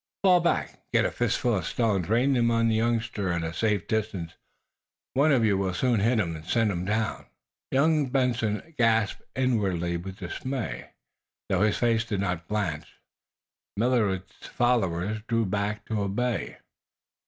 "Fall back and get a fistful of stones. Rain them in on the youngster at a safe distance. One of you will soon hit him and send him down!" Young Benson gasped inwardly with dismay, though his face did not blanch. Millard's followers drew back to obey.